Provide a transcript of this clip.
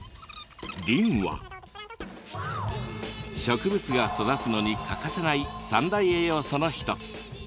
リンは植物が育つのに欠かせない３大栄養素の一つ。